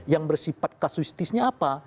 yang bersifat kasusitisnya apa